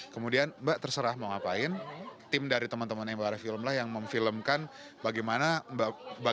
kemudian mbak terserah mau ngapain tim dari temen temen mbak ari film lah yang memfilmkan bagaimana tubuh dan jiwanya mbak melati berkembang